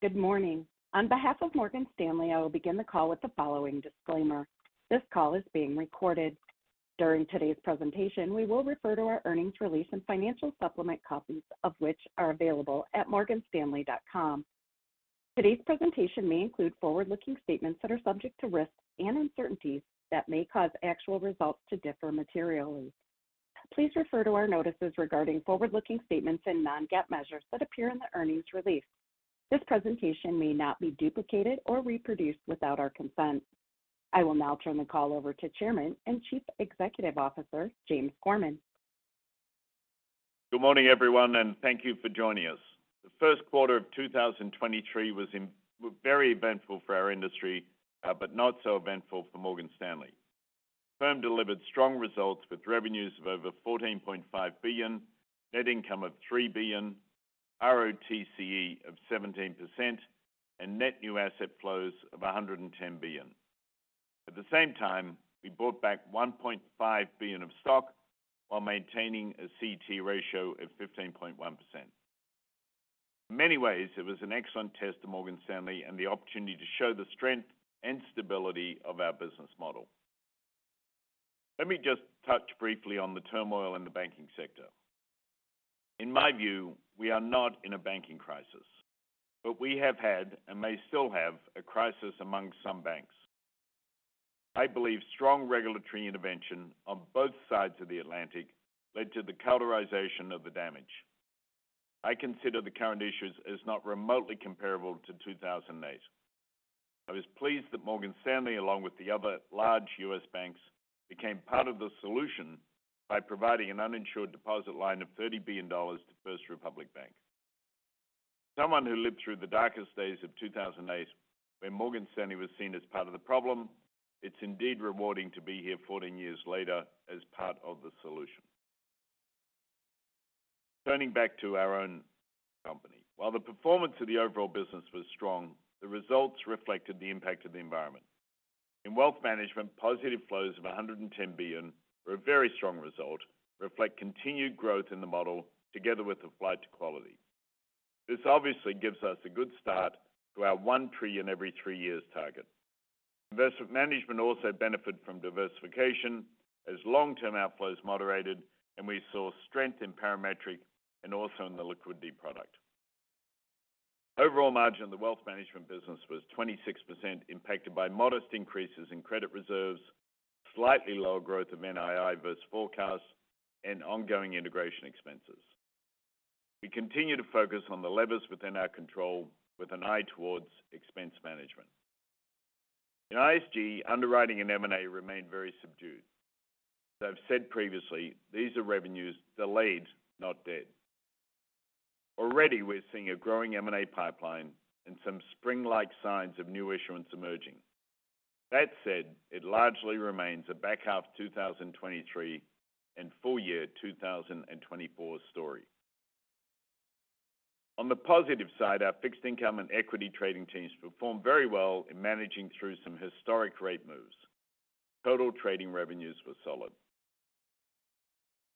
Good morning. On behalf of Morgan Stanley, I will begin the call with the following disclaimer. This call is being recorded. During today's presentation, we will refer to our earnings release and financial supplement copies of which are available at morganstanley.com. Today's presentation may include forward-looking statements that are subject to risks and uncertainties that may cause actual results to differ materially. Please refer to our notices regarding forward-looking statements and non-GAAP measures that appear in the earnings release. This presentation may not be duplicated or reproduced without our consent. I will now turn the call over to Chairman and Chief Executive Officer, James Gorman. Good morning, everyone, and thank you for joining us. The first quarter of 2023 was very eventful for our industry, but not so eventful for Morgan Stanley. Firm delivered strong results with revenues of over $14.5 billion, net income of $3 billion, ROTCE of 17%, and net new asset flows of $110 billion. At the same time, we bought back $1.5 billion of stock while maintaining a CET1 ratio of 15.1%. In many ways, it was an excellent test to Morgan Stanley and the opportunity to show the strength and stability of our business model. Let me just touch briefly on the turmoil in the banking sector. In my view, we are not in a banking crisis, but we have had, and may still have, a crisis among some banks. I believe strong regulatory intervention on both sides of the Atlantic led to the cauterization of the damage. I consider the current issues as not remotely comparable to 2008. I was pleased that Morgan Stanley, along with the other large US banks, became part of the solution by providing an uninsured deposit line of $30 billion to First Republic Bank. Someone who lived through the darkest days of 2008, when Morgan Stanley was seen as part of the problem, it's indeed rewarding to be here 14 years later as part of the solution. Turning back to our own company. While the performance of the overall business was strong, the results reflected the impact of the environment. In wealth management, positive flows of $110 billion were a very strong result, reflect continued growth in the model together with the flight to quality. This obviously gives us a good start to our $1 trillion every three years target. Investment management also benefit from diversification as long-term outflows moderated, and we saw strength in Parametric and also in the liquidity product. Overall margin of the wealth management business was 26% impacted by modest increases in credit reserves, slightly lower growth of NII versus forecasts, and ongoing integration expenses. We continue to focus on the levers within our control with an eye towards expense management. In ISG, underwriting and M&A remained very subdued. As I've said previously, these are revenues delayed, not dead. Already, we're seeing a growing M&A pipeline and some spring-like signs of new issuance emerging. That said, it largely remains a back half 2023 and full year 2024 story. On the positive side, our fixed income and equity trading teams performed very well in managing through some historic rate moves. Total trading revenues were solid.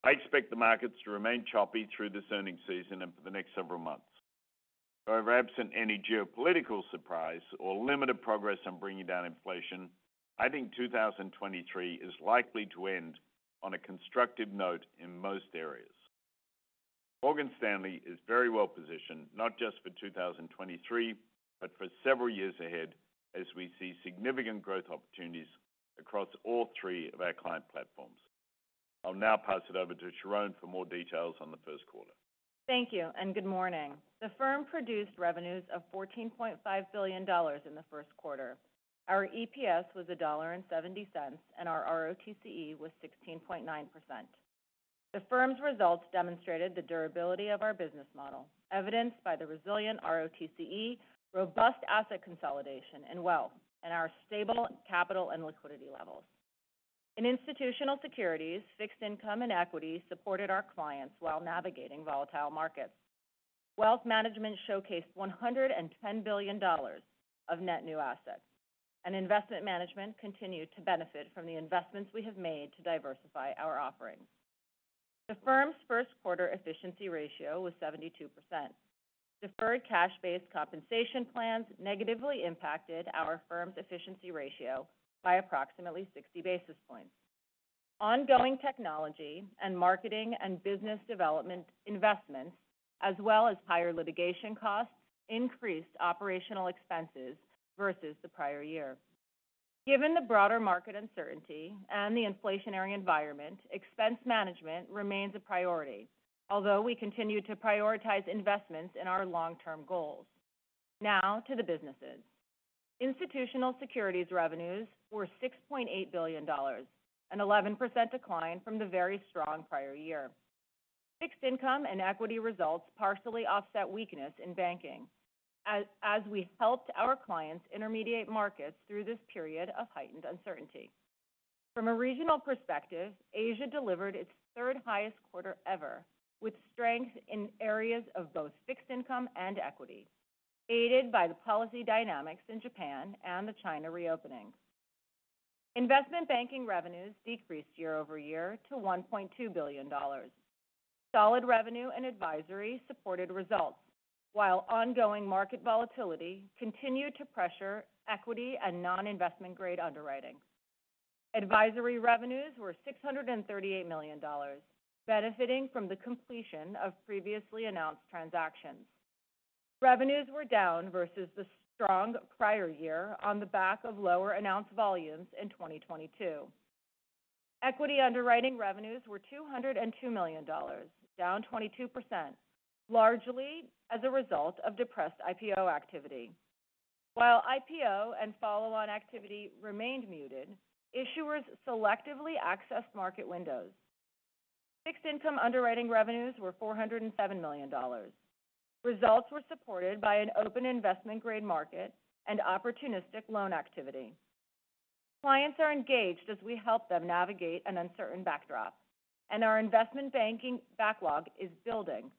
I expect the markets to remain choppy through this earning season and for the next several months. However, absent any geopolitical surprise or limited progress on bringing down inflation, I think 2023 is likely to end on a constructive note in most areas. Morgan Stanley is very well positioned, not just for 2023, but for several years ahead as we see significant growth opportunities across all three of our client platforms. I'll now pass it over to Sharon for more details on the Q1. Thank you and good morning. The firm produced revenues of $14.5 billion in the Q1. Our EPS was $1.70, and our ROTCE was 16.9%. The firm's results demonstrated the durability of our business model, evidenced by the resilient ROTCE, robust asset consolidation and wealth, and our stable capital and liquidity levels. In institutional securities, fixed income, and equities supported our clients while navigating volatile markets. Wealth management showcased $110 billion of net new assets, and investment management continued to benefit from the investments we have made to diversify our offerings. The firm's first quarter efficiency ratio was 72%. Deferred cash-based compensation plans negatively impacted our firm's efficiency ratio by approximately 60 basis points. Ongoing technology and marketing and business development investments, as well as higher litigation costs, increased operational expenses versus the prior year. Given the broader market uncertainty and the inflationary environment, expense management remains a priority, although we continue to prioritize investments in our long-term goals. To the businesses. Institutional securities revenues were $6.8 billion, an 11% decline from the very strong prior year. Fixed income and equity results partially offset weakness in banking as we helped our clients intermediate markets through this period of heightened uncertainty. A regional perspective, Asia delivered its third highest quarter ever, with strength in areas of both fixed income and equity, aided by the policy dynamics in Japan and the China reopenings. Investment banking revenues decreased year-over-year to $1.2 billion. Solid revenue and advisory supported results, while ongoing market volatility continued to pressure equity and non-investment grade underwriting. Advisory revenues were $638 million, benefiting from the completion of previously announced transactions. Revenues were down versus the strong prior year on the back of lower announced volumes in 2022. Equity underwriting revenues were $202 million, down 22%, largely as a result of depressed IPO activity. While IPO and follow-on activity remained muted, issuers selectively accessed market windows. Fixed income underwriting revenues were $407 million. Results were supported by an open investment grade market and opportunistic loan activity. Clients are engaged as we help them navigate an uncertain backdrop. Our investment banking backlog is building.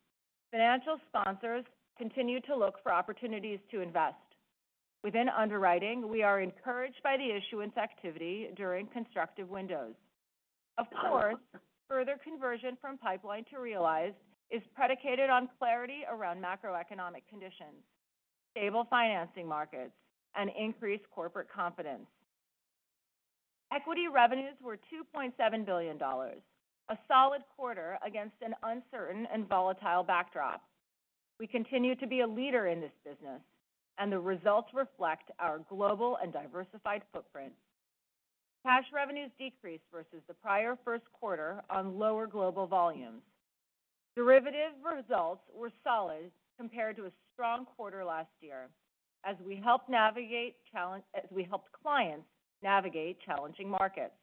Financial sponsors continue to look for opportunities to invest. Within underwriting, we are encouraged by the issuance activity during constructive windows. Of course, further conversion from pipeline to realize is predicated on clarity around macroeconomic conditions, stable financing markets, and increased corporate confidence. Equity revenues were $2.7 billion, a solid quarter against an uncertain and volatile backdrop. We continue to be a leader in this business and the results reflect our global and diversified footprint. Cash revenues decreased versus the prior first quarter on lower global volumes. Derivative results were solid compared to a strong quarter last year as we helped clients navigate challenging markets.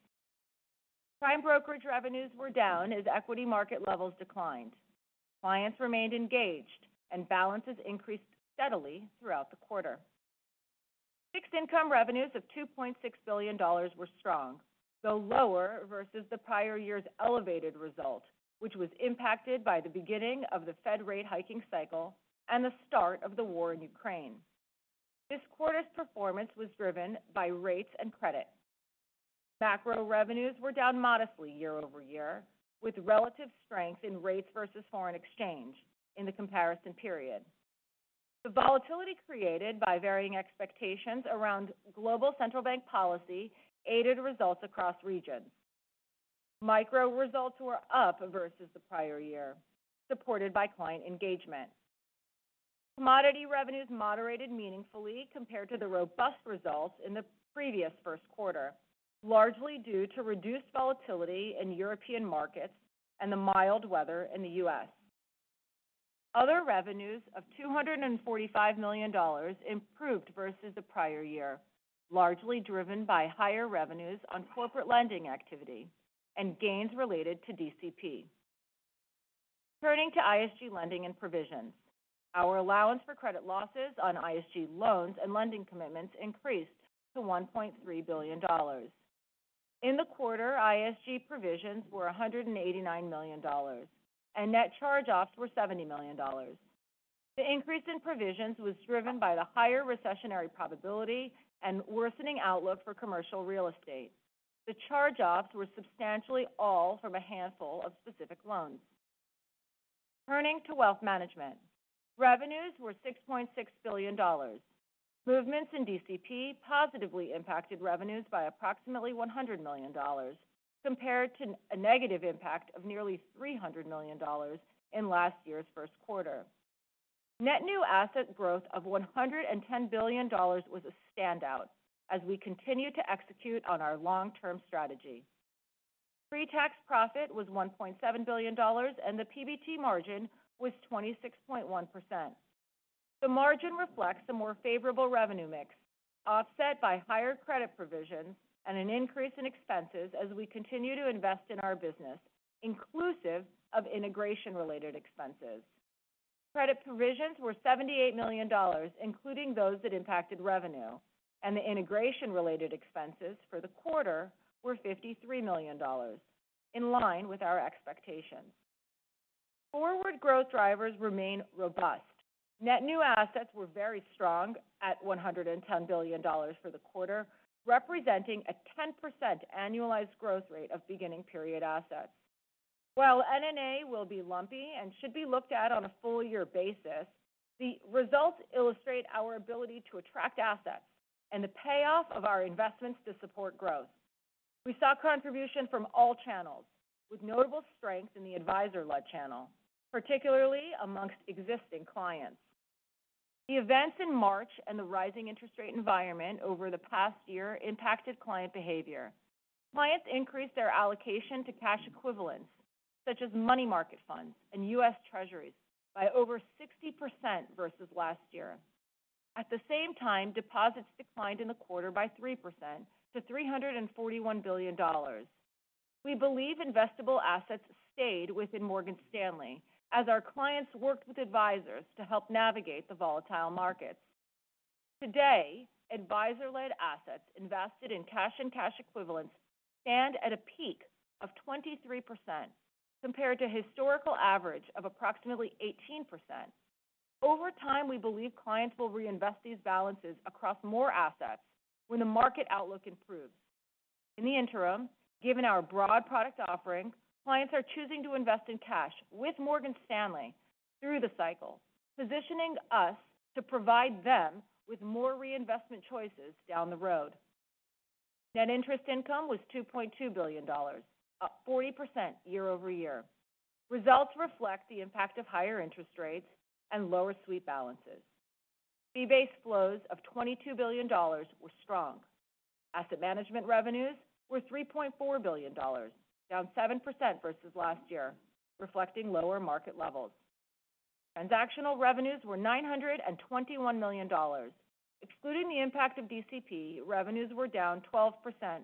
Prime brokerage revenues were down as equity market levels declined. Clients remained engaged and balances increased steadily throughout the quarter. Fixed income revenues of $2.6 billion were strong, though lower versus the prior year's elevated result, which was impacted by the beginning of the Fed rate hiking cycle and the start of the war in Ukraine. This quarter's performance was driven by rates and credit. Macro revenues were down modestly year-over-year, with relative strength in rates versus foreign exchange in the comparison period. The volatility created by varying expectations around global central bank policy aided results across regions. Micro results were up versus the prior year, supported by client engagement. Commodity revenues moderated meaningfully compared to the robust results in the previous first quarter, largely due to reduced volatility in European markets and the mild weather in the U.S. Other revenues of $245 million improved versus the prior year, largely driven by higher revenues on corporate lending activity and gains related to DCP. Turning to ISG lending and provisions. Our allowance for credit losses on ISG loans and lending commitments increased to $1.3 billion. In the quarter, ISG provisions were $189 million, and net charge-offs were $70 million. The increase in provisions was driven by the higher recessionary probability and worsening outlook for commercial real estate. The charge-offs were substantially all from a handful of specific loans. Turning to wealth management. Revenues were $6.6 billion. Movements in DCP positively impacted revenues by approximately $100 million compared to a negative impact of nearly $300 million in last year's first quarter. Net new asset growth of $110 billion was a standout as we continue to execute on our long-term strategy. Pre-tax profit was $1.7 billion and the PBT margin was 26.1%. The margin reflects a more favorable revenue mix, offset by higher credit provisions and an increase in expenses as we continue to invest in our business, inclusive of integration related expenses. Credit provisions were $78 million, including those that impacted revenue, and the integration related expenses for the quarter were $53 million, in line with our expectations. Forward growth drivers remain robust. Net new assets were very strong at $110 billion for the quarter, representing a 10% annualized growth rate of beginning period assets. While NNA will be lumpy and should be looked at on a full year basis, the results illustrate our ability to attract assets and the payoff of our investments to support growth. We saw contribution from all channels, with notable strength in the advisor-led channel, particularly amongst existing clients. The events in March and the rising interest rate environment over the past year impacted client behavior. Clients increased their allocation to cash equivalents, such as money market funds and US Treasuries, by over 60% versus last year. At the same time, deposits declined in the quarter by 3% to $341 billion. We believe investable assets stayed within Morgan Stanley as our clients worked with advisors to help navigate the volatile markets. Today, advisor-led assets invested in cash and cash equivalents stand at a peak of 23% compared to historical average of approximately 18%. Over time, we believe clients will reinvest these balances across more assets when the market outlook improves. In the interim, given our broad product offerings, clients are choosing to invest in cash with Morgan Stanley through the cycle, positioning us to provide them with more reinvestment choices down the road. Net interest income was $2.2 billion, up 40% year-over-year. Results reflect the impact of higher interest rates and lower sweep balances. Fee-based flows of $22 billion were strong. Asset management revenues were $3.4 billion, down 7% versus last year, reflecting lower market levels. Transactional revenues were $921 million. Excluding the impact of DCP, revenues were down 12%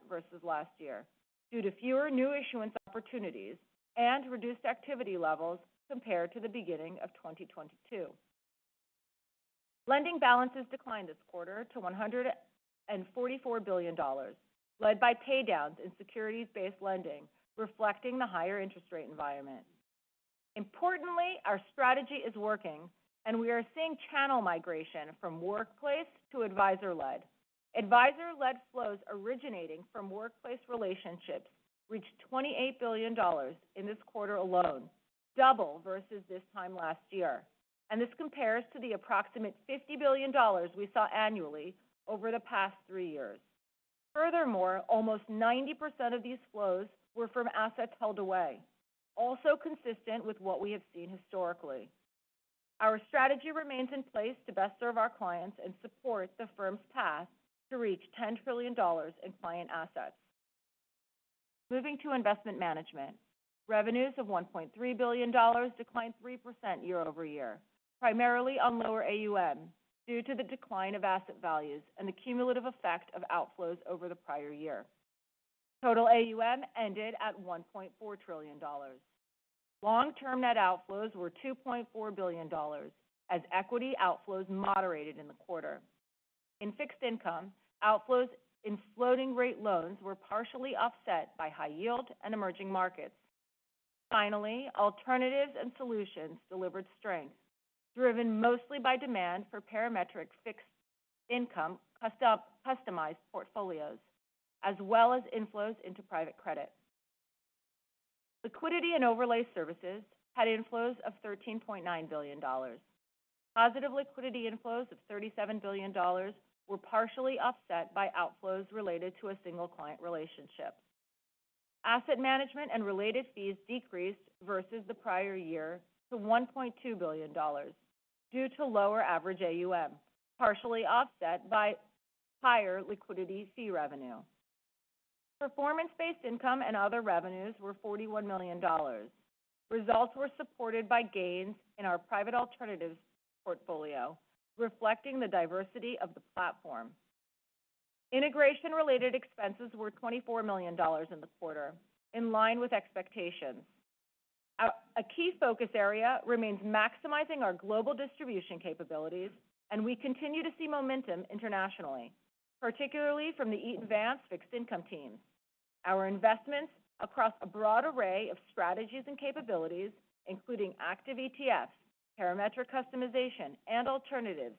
versus last year due to fewer new issuance opportunities and reduced activity levels compared to the beginning of 2022. Lending balances declined this quarter to $144 billion, led by paydowns in securities-based lending, reflecting the higher interest rate environment. Importantly, our strategy is working, and we are seeing channel migration from workplace to advisor-led. Advisor-led flows originating from workplace relationships reached $28 billion in this quarter alone, double versus this time last year. This compares to the approximate $50 billion we saw annually over the past three years. Almost 90% of these flows were from assets held away, also consistent with what we have seen historically. Our strategy remains in place to best serve our clients and support the firm's path to reach $10 trillion in client assets. Moving to investment management, revenues of $1.3 billion declined 3% year-over-year, primarily on lower AUM due to the decline of asset values and the cumulative effect of outflows over the prior year. Total AUM ended at $1.4 trillion. Long-term net outflows were $2.4 billion, as equity outflows moderated in the quarter. In fixed income, outflows in floating-rate loans were partially offset by high yield and emerging markets. Alternatives and solutions delivered strength, driven mostly by demand for Parametric fixed income customized portfolios, as well as inflows into private credit. Liquidity and overlay services had inflows of $13.9 billion. Positive liquidity inflows of $37 billion were partially offset by outflows related to a single client relationship. Asset management and related fees decreased versus the prior year to $1.2 billion due to lower average AUM, partially offset by higher liquidity fee revenue. Performance-based income and other revenues were $41 million. Results were supported by gains in our private alternatives portfolio, reflecting the diversity of the platform. Integration-related expenses were $24 million in the quarter, in line with expectations. A key focus area remains maximizing our global distribution capabilities, and we continue to see momentum internationally, particularly from the Eaton Vance fixed income team. Our investments across a broad array of strategies and capabilities, including active ETFs, Parametric customization, and alternatives,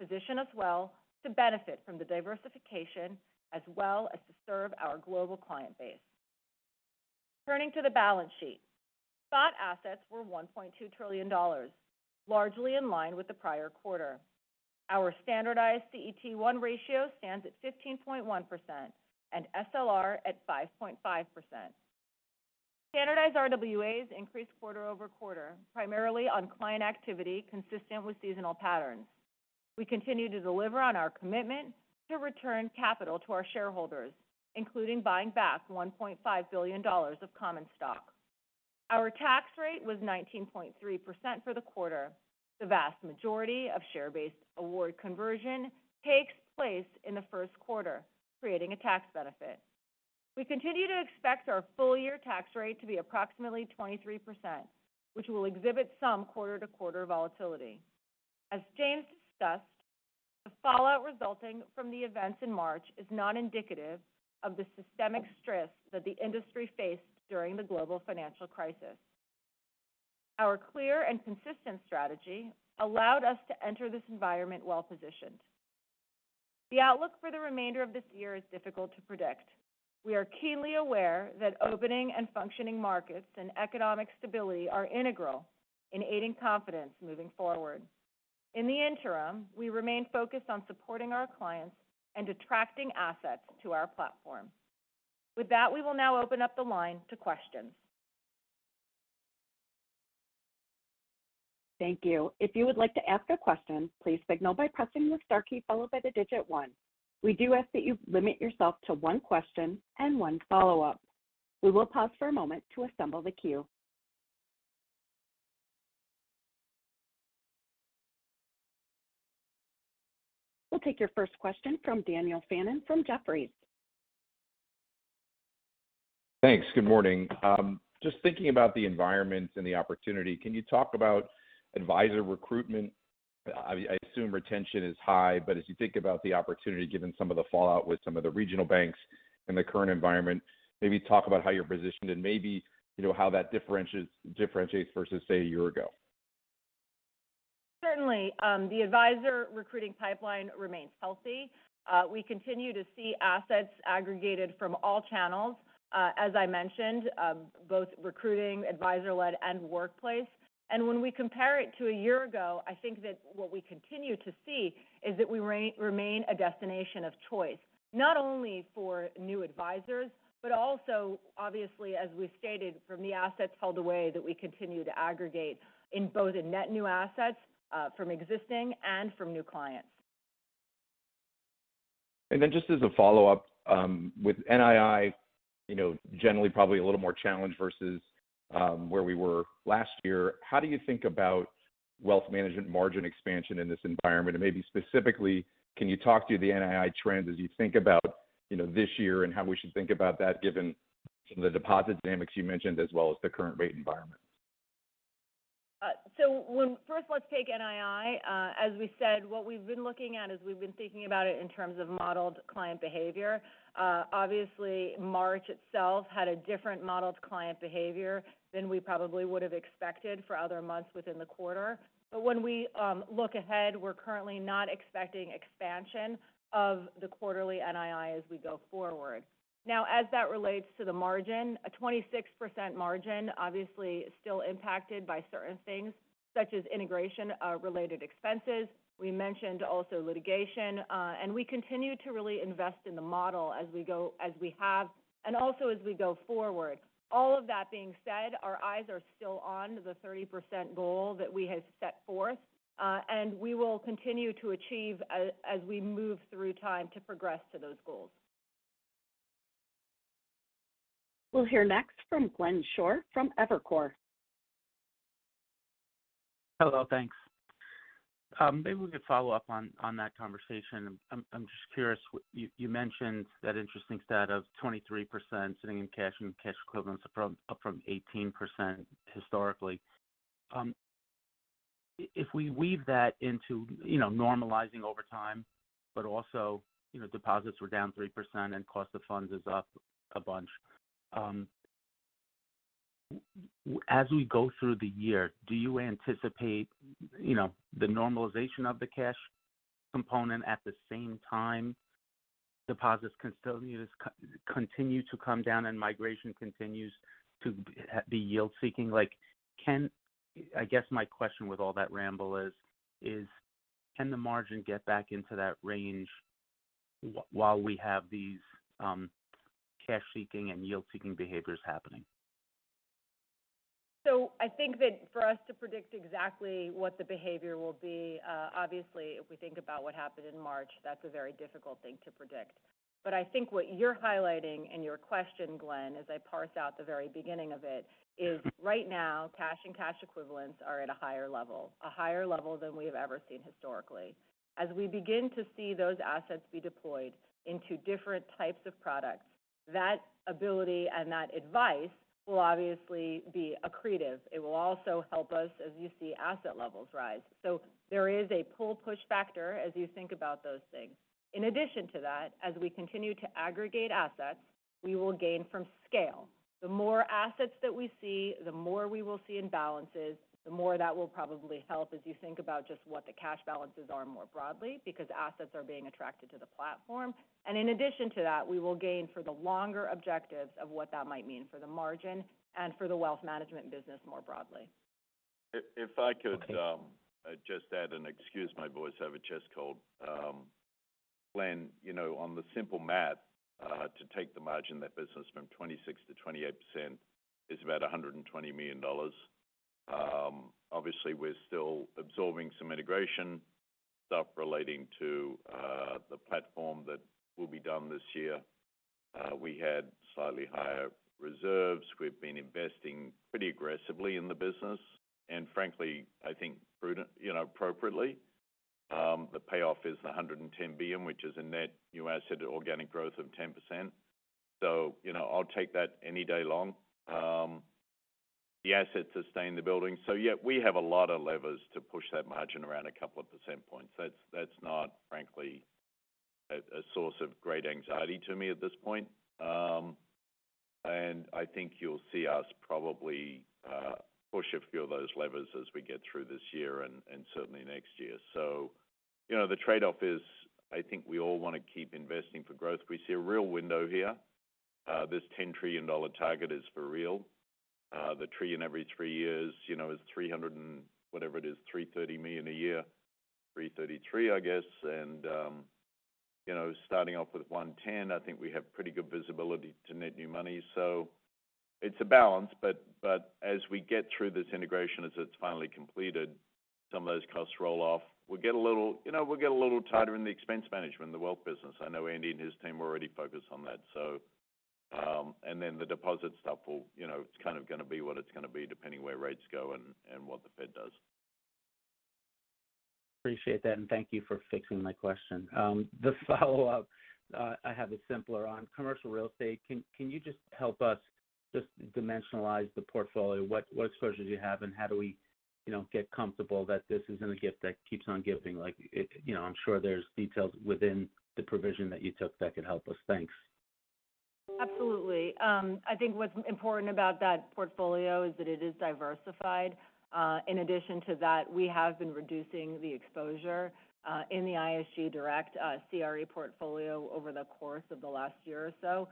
position us well to benefit from the diversification as well as to serve our global client base. Turning to the balance sheet, spot assets were $1.2 trillion, largely in line with the prior quarter. Our standardized CET1 ratio stands at 15.1% and SLR at 5.5%. Standardized RWAs increased quarter-over-quarter, primarily on client activity consistent with seasonal patterns. We continue to deliver on our commitment to return capital to our shareholders, including buying back $1.5 billion of common stock. Our tax rate was 19.3% for the quarter. The vast majority of share-based award conversion takes place in the first quarter, creating a tax benefit. We continue to expect our full year tax rate to be approximately 23%, which will exhibit some quarter-to-quarter volatility. As James discussed, the fallout resulting from the events in March is not indicative of the systemic stress that the industry faced during the global financial crisis. Our clear and consistent strategy allowed us to enter this environment well-positioned. The outlook for the remainder of this year is difficult to predict. We are keenly aware that opening and functioning markets and economic stability are integral in aiding confidence moving forward. In the interim, we remain focused on supporting our clients and attracting assets to our platform. With that, we will now open up the line to questions. Thank you. If you would like to ask a question, please signal by pressing the star key followed by the digit one. We do ask that you limit yourself to one question and one follow-up. We will pause for a moment to assemble the queue. We will take your first question from Daniel Fannon from Jefferies. Thanks. Good morning. Just thinking about the environment and the opportunity, can you talk about advisor recruitment? I assume retention is high, but as you think about the opportunity, given some of the fallout with some of the regional banks in the current environment, maybe talk about how you're positioned and maybe, you know, how that differentiates versus, say, a year ago. Certainly, the advisor recruiting pipeline remains healthy. We continue to see assets aggregated from all channels, as I mentioned, both recruiting, advisor-led, and workplace. When we compare it to a year ago, I think that what we continue to see is that we remain a destination of choice, not only for new advisors, but also obviously, as we've stated, from the assets held away that we continue to aggregate in both in net new assets, from existing and from new clients. Then just as a follow-up, with NII, you know, generally probably a little more challenged versus, where we were last year, how do you think about wealth management margin expansion in this environment? Maybe specifically, can you talk to the NII trends as you think about, you know, this year and how we should think about that given some of the deposit dynamics you mentioned, as well as the current rate environment? First let's take NII. As we said, what we've been looking at is we've been thinking about it in terms of modeled client behavior. Obviously, March itself had a different modeled client behavior than we probably would have expected for other months within the quarter. When we look ahead, we're currently not expecting expansion of the quarterly NII as we go forward. As that relates to the margin, a 26% margin obviously still impacted by certain things, such as integration, related expenses. We mentioned also litigation, we continue to really invest in the model as we have and also as we go forward. All of that being said, our eyes are still on the 30% goal that we have set forth. We will continue to achieve as we move through time to progress to those goals. We'll hear next from Glenn Schorr from Evercore. Hello. Thanks. Maybe we could follow up on that conversation. I'm just curious. You mentioned that interesting stat of 23% sitting in cash and cash equivalents up from 18% historically. But also, you know, deposits were down 3% and cost of funds is up a bunch. As we go through the year, do you anticipate, you know, the normalization of the cash component at the same time deposits can continue to come down and migration continues to be yield-seeking? Like, can I guess my question with all that ramble is, can the margin get back into that range while we have these cash-seeking and yield-seeking behaviors happening? I think that for us to predict exactly what the behavior will be, obviously, if we think about what happened in March, that's a very difficult thing to predict. I think what you're highlighting in your question, Glenn, as I parse out the very beginning of it, is right now, cash and cash equivalents are at a higher level, a higher level than we have ever seen historically. As we begin to see those assets be deployed into different types of products, that ability and that advice will obviously be accretive. It will also help us as you see asset levels rise. There is a pull-push factor as you think about those things. In addition to that, as we continue to aggregate assets, we will gain from scale. The more assets that we see, the more we will see in balances, the more that will probably help as you think about just what the cash balances are more broadly because assets are being attracted to the platform. In addition to that, we will gain for the longer objectives of what that might mean for the margin and for the wealth management business more broadly. If I could just add, excuse my voice, I have a chest cold. Glenn, you know, on the simple math, to take the margin of that business from 26%-28% is about $120 million. Obviously, we're still absorbing some integration stuff relating to the platform that will be done this year. We had slightly higher reserves. We've been investing pretty aggressively in the business, frankly, I think prudent, you know, appropriately. The payoff is the $110 billion, which is a net new asset organic growth of 10%. You know, I'll take that any day long. The assets are staying in the building. Yeah, we have a lot of levers to push that margin around a couple of percent points. That's not, frankly, a source of great anxiety to me at this point. I think you'll see us probably push a few of those levers as we get through this year and certainly next year. You know, the trade-off is, I think we all want to keep investing for growth. We see a real window here. This $10 trillion target is for real. The $1 trillion every three years, you know, is $330 million a year, 333, I guess. You know, starting off with $110 million, I think we have pretty good visibility to net new money. It's a balance, but as we get through this integration, as it's finally completed, some of those costs roll off. We'll get a little, you know, we'll get a little tighter in the expense management in the wealth business. I know Andy and his team are already focused on that. And then the deposit stuff will, you know, it's kind of gonna be what it's gonna be depending where rates go and what the Fed does. Appreciate that. Thank you for fixing my question. The follow-up I have is simpler. On commercial real estate, can you just help us just dimensionalize the portfolio? What exposures you have and how do we, you know, get comfortable that this is gonna gift that keeps on gifting? Like, you know, I'm sure there's details within the provision that you took that could help us. Thanks. Absolutely. I think what's important about that portfolio is that it is diversified. In addition to that, we have been reducing the exposure in the ISG direct CRE portfolio over the course of the last year or so.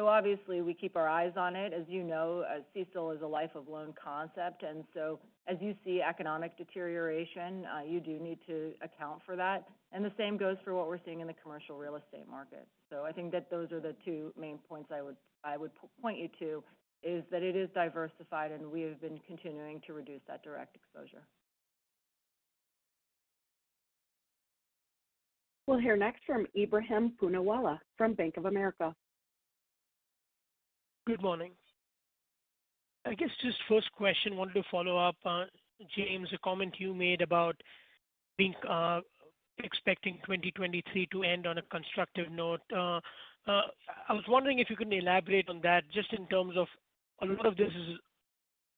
Obviously we keep our eyes on it. As you know, CECL is a life of loan concept, as you see economic deterioration, you do need to account for that. The same goes for what we're seeing in the commercial real estate market. I think that those are the two main points I would point you to, is that it is diversified and we have been continuing to reduce that direct exposure. We'll hear next from Ebrahim Poonawala from Bank of America. Good morning. I guess just first question, wanted to follow up on, James, a comment you made about being expecting 2023 to end on a constructive note. I was wondering if you could elaborate on that just in terms of a lot of this is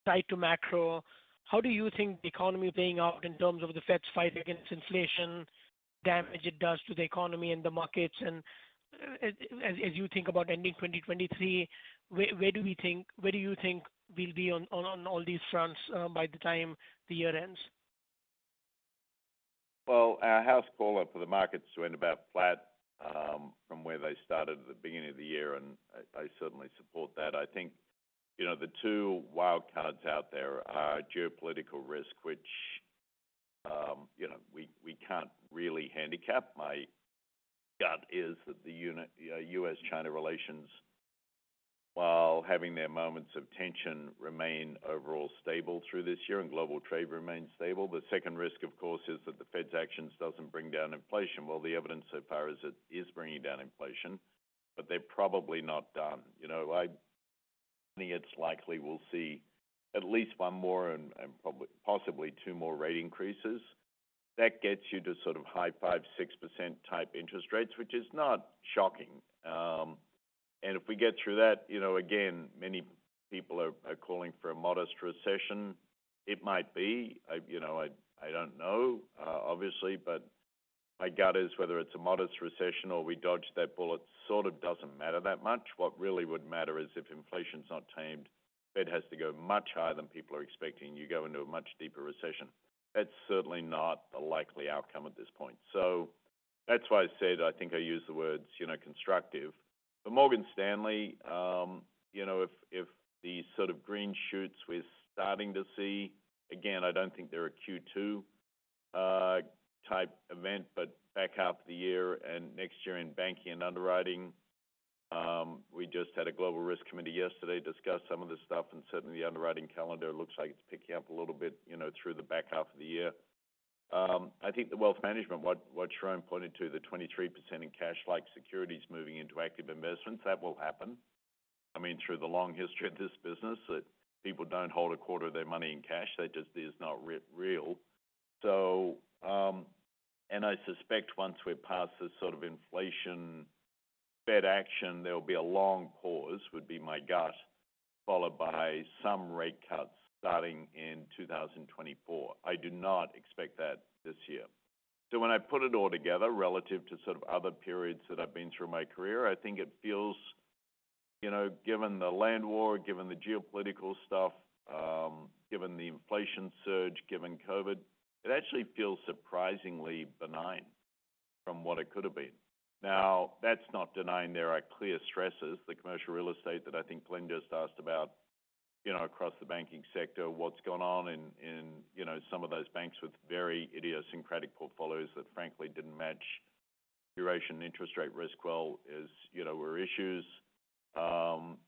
tied to macro. How do you think the economy playing out in terms of the Fed's fight against inflation, damage it does to the economy and the markets? As you think about ending 2023, where do you think we'll be on, on all these fronts by the time the year ends? Our house call up for the markets went about flat from where they started at the beginning of the year, I certainly support that. I think, you know, the two wild cards out there are geopolitical risk, which, you know, we can't really handicap. My gut is that the US-China relations, while having their moments of tension remain overall stable through this year and global trade remains stable. The second risk, of course, is that the Fed's actions doesn't bring down inflation. The evidence so far is it is bringing down inflation, but they're probably not done. You know, I think it's likely we'll see at least one more and possibly two more rate increases. That gets you to sort of high 5%-6% type interest rates, which is not shocking. If we get through that, you know, again, many people are calling for a modest recession. It might be, you know, I don't know, obviously, but my gut is whether it's a modest recession or we dodge that bullet, sort of doesn't matter that much. What really would matter is if inflation's not tamed, it has to go much higher than people are expecting, you go into a much deeper recession. That's certainly not the likely outcome at this point. That's why I said I think I used the words, you know, constructive. Morgan Stanley, you know, if the sort of green shoots we're starting to see, again, I don't think they're a Q2 type event, but back half of the year and next year in banking and underwriting, we just had a global risk committee yesterday discuss some of this stuff, and certainly the underwriting calendar looks like it's picking up a little bit, you know, through the back half of the year. I think the wealth management, what Sharon pointed to, the 23% in cash-like securities moving into active investments, that will happen. I mean, through the long history of this business that people don't hold a quarter of their money in cash, that just is not re-real. And I suspect once we're past this sort of inflation Fed action, there'll be a long pause, would be my gut, followed by some rate cuts starting in 2024. I do not expect that this year. When I put it all together relative to sort of other periods that I've been through my career, I think it feels, you know, given the land war, given the geopolitical stuff, given the inflation surge, given COVID, it actually feels surprisingly benign from what it could have been. Now, that's not denying there are clear stresses. The commercial real estate that I think Glenn just asked about, you know, across the banking sector, what's gone on in, you know, some of those banks with very idiosyncratic portfolios that frankly didn't match duration interest rate risk well is, you know, were issues.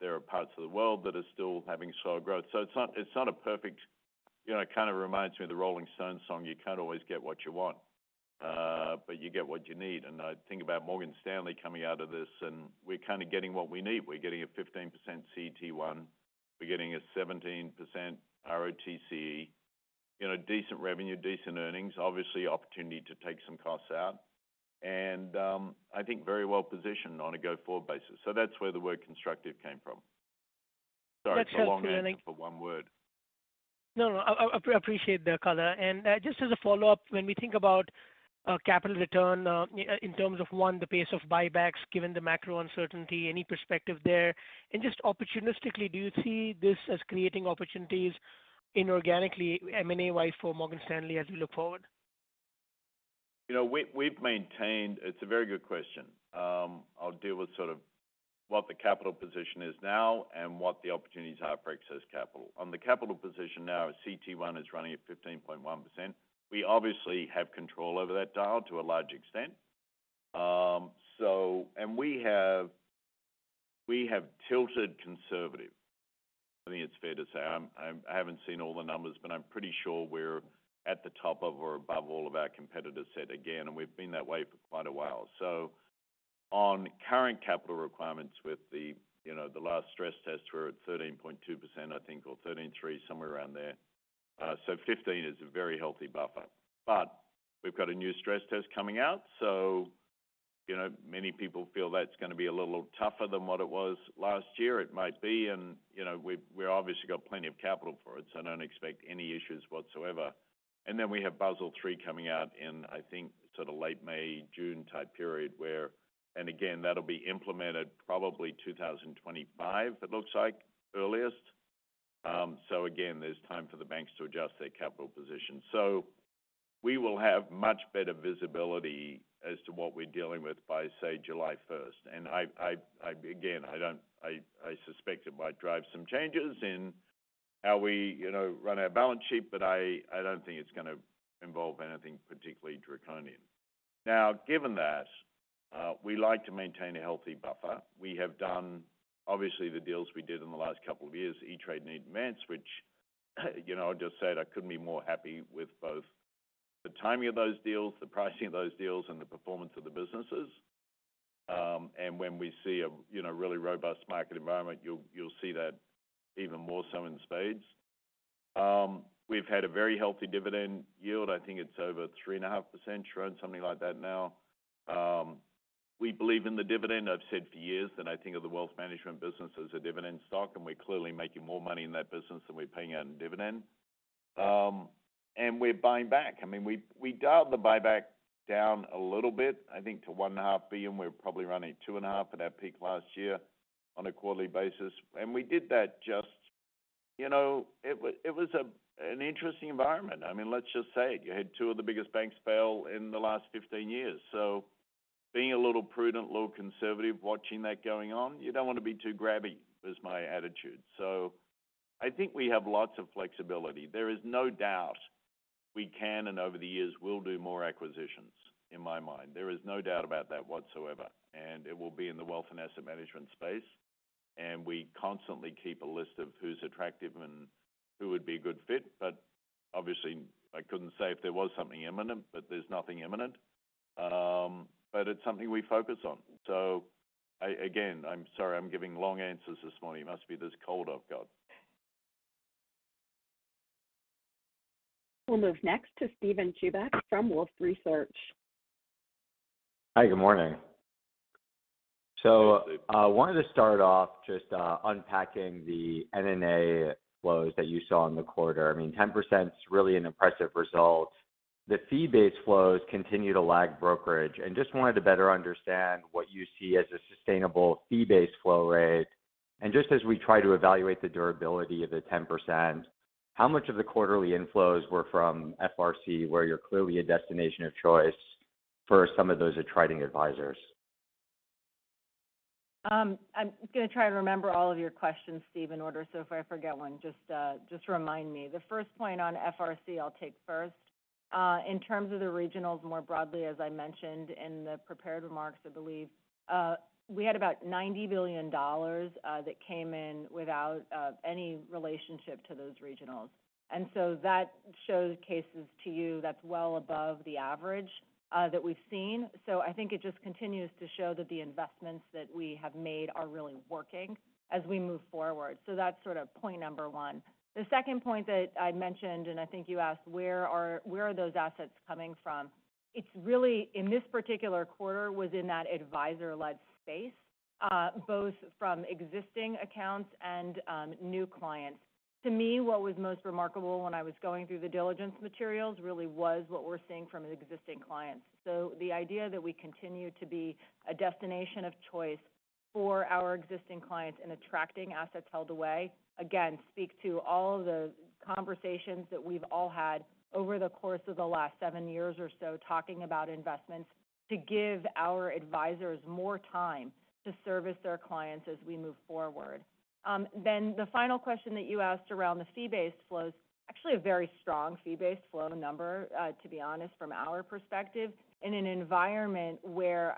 There are parts of the world that are still having slow growth. It's not a perfect... You know, it kind of reminds me of the Rolling Stones song, You Can't Always Get What You Want, but you get what you need. I think about Morgan Stanley coming out of this and we're kinda getting what we need. We're getting a 15% CET1. We're getting a 17% ROTCE. You know, decent revenue, decent earnings, obviously opportunity to take some costs out and I think very well-positioned on a go-forward basis. That's where the word constructive came from. Sorry for the long answer for one word. No, I appreciate the color. Just as a follow-up, when we think about capital return, in terms of, one, the pace of buybacks, given the macro uncertainty, any perspective there? Just opportunistically, do you see this as creating opportunities inorganically, M&A-wise for Morgan Stanley as we look forward? You know, we've maintained. It's a very good question. I'll deal with sort of what the capital position is now and what the opportunities are for excess capital. On the capital position now, our CET1 is running at 15.1%. We obviously have control over that dial to a large extent. We have tilted conservative. I think it's fair to say. I haven't seen all the numbers, but I'm pretty sure we're at the top of or above all of our competitor set again, and we've been that way for quite a while. On current capital requirements with the, you know, the last stress test, we're at 13.2%, I think, or 13.3, somewhere around there. 15 is a very healthy buffer. We've got a new stress test coming out. You know, many people feel that's going to be a little tougher than what it was last year. It might be and, you know, we've obviously got plenty of capital for it, so I don't expect any issues whatsoever. We have Basel III coming out in, I think, sort of late May, June type period where. Again, that'll be implemented probably 2025 it looks like earliest. Again, there's time for the banks to adjust their capital position. We will have much better visibility as to what we're dealing with by, say, July 1st. Again, I don't, I suspect it might drive some changes in how we, you know, run our balance sheet, but I don't think it's going to involve anything particularly draconian. Given that, we like to maintain a healthy buffer. We have done obviously the deals we did in the last couple of years, E*TRADE and Eaton Vance which, you know, I just said I couldn't be more happy with both the timing of those deals, the pricing of those deals, and the performance of the businesses. When we see a, you know, really robust market environment, you'll see that even more so in spades. We've had a very healthy dividend yield. I think it's over 3.5% return, something like that now. We believe in the dividend. I've said for years that I think of the wealth management business as a dividend stock, and we're clearly making more money in that business than we're paying out in dividend. We're buying back. I mean, we dialed the buyback down a little bit, I think to $1.5 billion. We were probably running two and a half at our peak last year on a quarterly basis. We did that just... You know, it was an interesting environment. I mean, let's just say it. You had two of the biggest banks fail in the last 15 years. Being a little prudent, a little conservative, watching that going on, you don't want to be too grabby is my attitude. I think we have lots of flexibility. There is no doubt we can, and over the years will do more acquisitions, in my mind. There is no doubt about that whatsoever. It will be in the wealth and asset management space. We constantly keep a list of who's attractive and who would be a good fit. Obviously, I couldn't say if there was something imminent, but there's nothing imminent. It's something we focus on. Again, I'm sorry I'm giving long answers this morning. It must be this cold I've got. We'll move next to Steven Chubak from Wolfe Research. Hi, good morning. Hi, Steve. Wanted to start off just unpacking the NNA flows that you saw in the quarter. I mean, 10%'s really an impressive result. The fee-based flows continue to lag brokerage. Just wanted to better understand what you see as a sustainable fee-based flow rate. Just as we try to evaluate the durability of the 10%, how much of the quarterly inflows were from FRC, where you're clearly a destination of choice for some of those attriting advisors? I'm gonna try to remember all of your questions, Steve, in order. If I forget one, just remind me. The first point on FRC I'll take first. In terms of the regionals more broadly, as I mentioned in the prepared remarks, I believe, we had about $90 billion that came in without any relationship to those regionals. That shows cases to you that's well above the average that we've seen. I think it just continues to show that the investments that we have made are really working as we move forward. That's sort of point number one. The second point that I'd mentioned, and I think you asked where are those assets coming from? It's really, in this particular quarter, was in that advisor-led space, both from existing accounts and new clients. To me, what was most remarkable when I was going through the diligence materials really was what we're seeing from an existing client. The idea that we continue to be a destination of choice for our existing clients in attracting assets held away, again, speak to all the conversations that we've all had over the course of the last seven years or so talking about investments to give our advisors more time to service their clients as we move forward. The final question that you asked around the fee-based flows, actually a very strong fee-based flow number, to be honest, from our perspective, in an environment where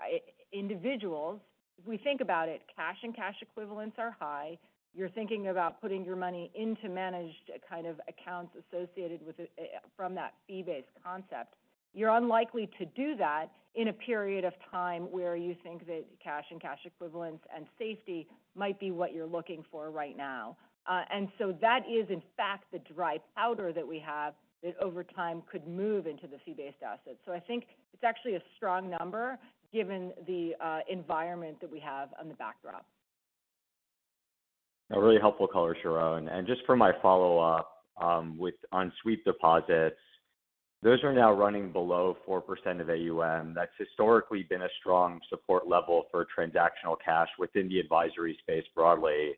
individuals, if we think about it, cash and cash equivalents are high. You're thinking about putting your money into managed kind of accounts associated with, from that fee-based concept. You're unlikely to do that in a period of time where you think that cash and cash equivalents and safety might be what you're looking for right now. That is, in fact, the dry powder that we have that over time could move into the fee-based assets. I think it's actually a strong number given the environment that we have on the backdrop. A really helpful color, Sharon. Just for my follow-up, with on sweep deposits, those are now running below 4% of AUM. That's historically been a strong support level for transactional cash within the advisory space broadly.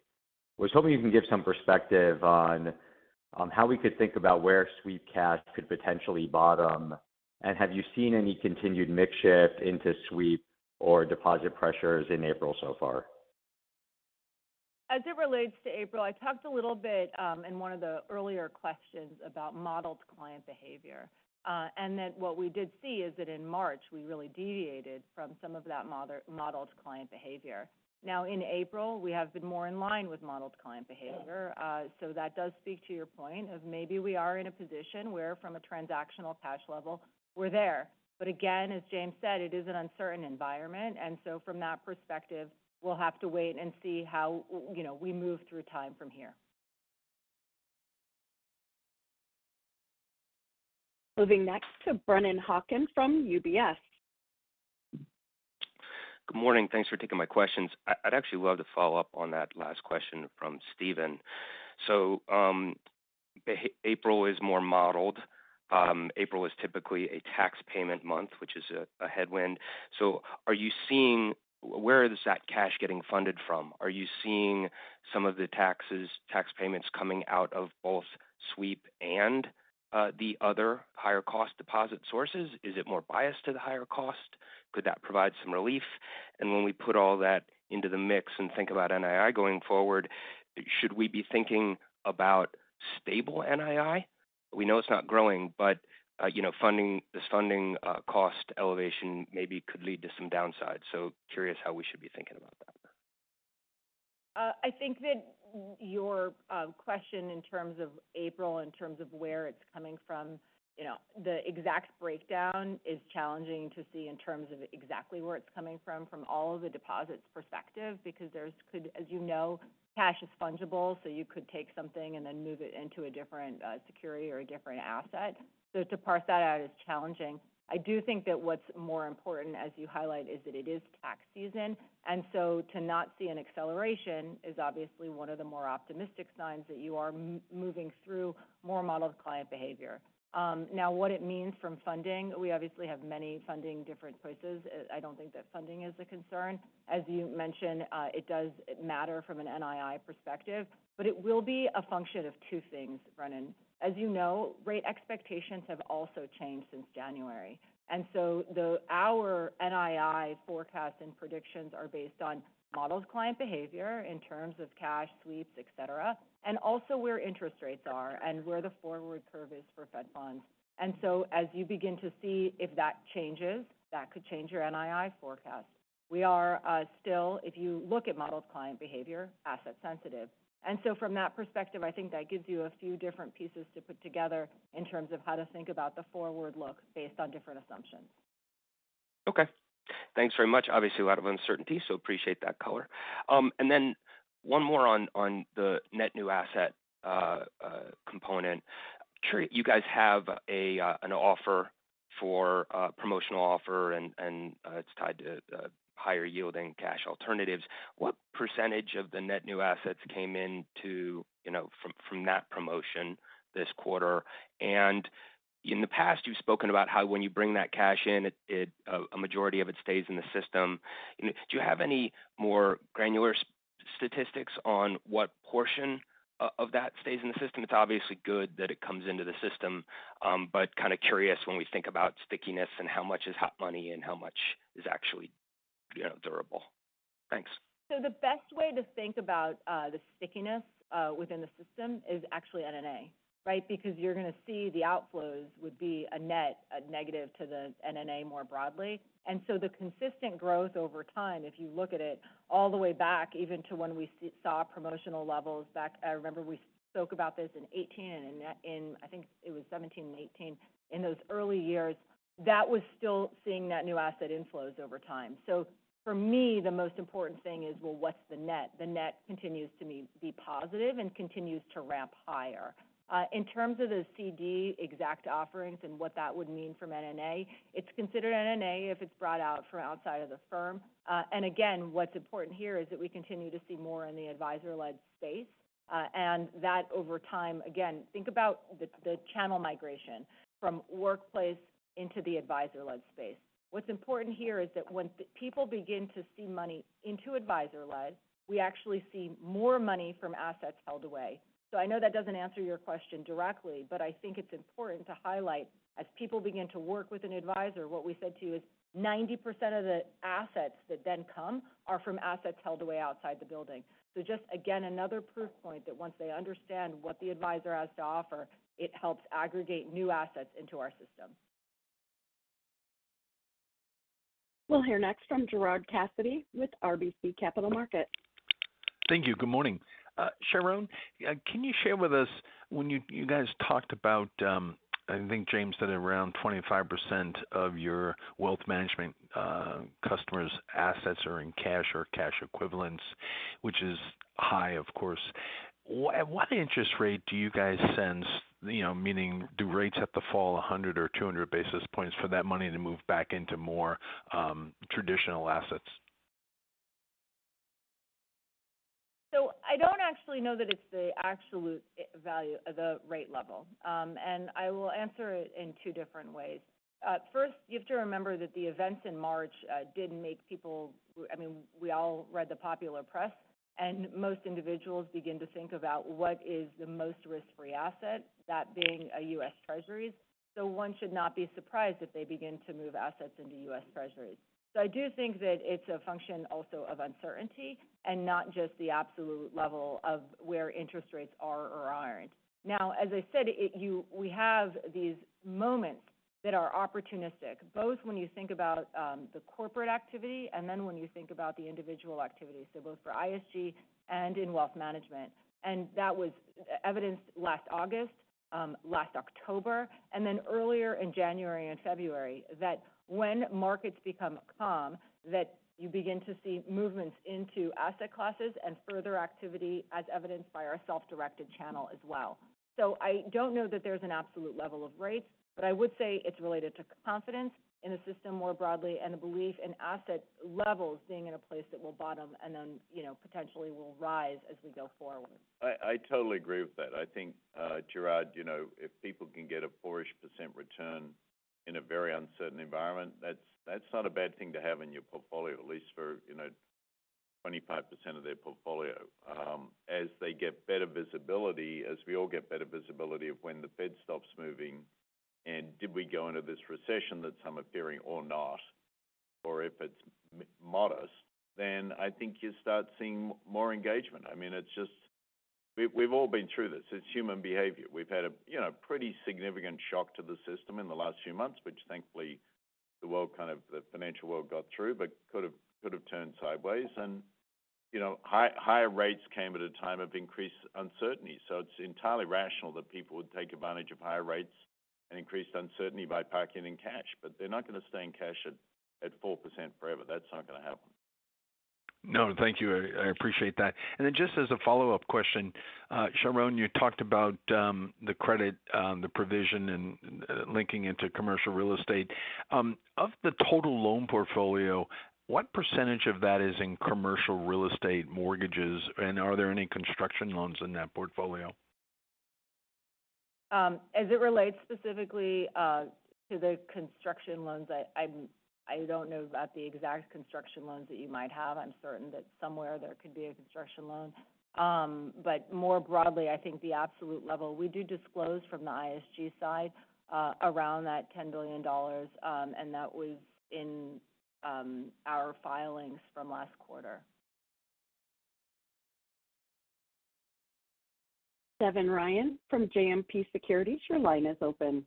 Was hoping you can give some perspective on how we could think about where sweep cash could potentially bottom. Have you seen any continued mix shift into sweep or deposit pressures in April so far? As it relates to April, I talked a little bit, in one of the earlier questions about modeled client behavior. And that what we did see is that in March, we really deviated from some of that modeled client behavior. Now in April, we have been more in line with modeled client behavior. So that does speak to your point of maybe we are in a position where from a transactional cash level, we're there. But again, as James said, it is an uncertain environment. And so from that perspective, we'll have to wait and see how we, you know, we move through time from here. Moving next to Brennan Hawken from UBS. Good morning. Thanks for taking my questions. I'd actually love to follow up on that last question from Steven Chubak. April is more modeled. April is typically a tax payment month, which is a headwind. Where is that cash getting funded from? Are you seeing some of the tax payments coming out of both sweep and the other higher cost deposit sources? Is it more biased to the higher cost? Could that provide some relief? When we put all that into the mix and think about NII going forward, should we be thinking about stable NII? We know it's not growing, but, you know, this funding cost elevation maybe could lead to some downsides. Curious how we should be thinking about that. I think that your question in terms of April, in terms of where it's coming from, you know, the exact breakdown is challenging to see in terms of exactly where it's coming from all of the deposits perspective, because as you know, cash is fungible, so you could take something and then move it into a different security or a different asset. To parse that out is challenging. I do think that what's more important, as you highlight, is that it is tax season, and so to not see an acceleration is obviously one of the more optimistic signs that you are moving through more modeled client behavior. What it means from funding, we obviously have many funding different places. I don't think that funding is a concern. As you mentioned, it does matter from an NII perspective, but it will be a function of two things, Brennan. Our NII forecast and predictions are based on modeled client behavior in terms of cash sweeps, et cetera, and also where interest rates are and where the forward curve is for Fed funds. As you begin to see if that changes, that could change your NII forecast. We are still, if you look at modeled client behavior, asset sensitive. From that perspective, I think that gives you a few different pieces to put together in terms of how to think about the forward look based on different assumptions. Okay. Thanks very much. Obviously a lot of uncertainty, so appreciate that color. One more on the net new asset component. You guys have an offer for a promotional offer and it's tied to higher yielding cash alternatives. What % of the net new assets came in to, you know, from that promotion this quarter? In the past, you've spoken about how when you bring that cash in, it, a majority of it stays in the system. Do you have any more granular statistics on what portion of that stays in the system? It's obviously good that it comes into the system, kind of curious when we think about stickiness and how much is hot money and how much is actually, you know, durable. Thanks. The best way to think about the stickiness within the system is actually NNA, right? Because you're going to see the outflows would be a net negative to the NNA more broadly. The consistent growth over time, if you look at it all the way back, even to when we saw promotional levels back. I remember we spoke about this in 2018 and in, I think it was 2017 and 2018. In those early years, that was still seeing that new asset inflows over time. For me, the most important thing is, well, what's the net? The net continues to be positive and continues to ramp higher. In terms of the CD exact offerings and what that would mean for NNA, it's considered NNA if it's brought out from outside of the firm. Again, what's important here is that we continue to see more in the advisor-led space, and that over time. Again, think about the channel migration from workplace into the advisor-led space. What's important here is that when people begin to see money into advisor-led, we actually see more money from assets held away. I know that doesn't answer your question directly, but I think it's important to highlight as people begin to work with an advisor, what we said to you is 90% of the assets that then come are from assets held away outside the building. Just again, another proof point that once they understand what the advisor has to offer, it helps aggregate new assets into our system. We'll hear next from Gerard Cassidy with RBC Capital Markets. Thank you. Good morning. Sharon, can you share with us when you guys talked about, I think James said around 25% of your wealth management, customers' assets are in cash or cash equivalents, which is high, of course. What interest rate do you guys sense, you know, meaning do rates have to fall 100 or 200 basis points for that money to move back into more, traditional assets? I don't actually know that it's the absolute value, the rate level. I will answer it in two different ways. First, you have to remember that the events in March did make people... I mean, we all read the popular press, and most individuals begin to think about what is the most risk-free asset, that being a US Treasuries. One should not be surprised if they begin to move assets into US Treasuries. I do think that it's a function also of uncertainty and not just the absolute level of where interest rates are or aren't. Now, as I said, we have these moments that are opportunistic, both when you think about the corporate activity and then when you think about the individual activity, so both for ISG and in wealth management. That was evidenced last August, last October, and then earlier in January and February, that when markets become calm, that you begin to see movements into asset classes and further activity as evidenced by our self-directed channel as well. I don't know that there's an absolute level of rates, but I would say it's related to confidence in the system more broadly and a belief in asset levels being in a place that will bottom and then, you know, potentially will rise as we go forward. I totally agree with that. I think, Gerard, you know, if people can get a four-ish % return. In a very uncertain environment, that's not a bad thing to have in your portfolio, at least for, you know, 25% of their portfolio. As they get better visibility, as we all get better visibility of when the Fed stops moving, did we go into this recession that some are fearing or not, or if it's modest, I think you start seeing more engagement. I mean, it's just. We've all been through this. It's human behavior. We've had a, you know, pretty significant shock to the system in the last few months, which thankfully the world the financial world got through, but could've turned sideways. You know, higher rates came at a time of increased uncertainty. It's entirely rational that people would take advantage of higher rates and increased uncertainty by parking in cash. They're not gonna stay in cash at 4% forever. That's not gonna happen. No, thank you. I appreciate that. Just as a follow-up question, Sharon, you talked about the credit, the provision and linking into commercial real estate. Of the total loan portfolio, what percentage of that is in commercial real estate mortgages, and are there any construction loans in that portfolio? As it relates specifically to the construction loans, I don't know about the exact construction loans that you might have. I'm certain that somewhere there could be a construction loan. More broadly, I think the absolute level, we do disclose from the ISG side, around that $10 billion, and that was in our filings from last quarter. Devin Ryan from JMP Securities, your line is open.